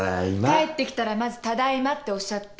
帰ってきたらまず「ただいま」っておっしゃって。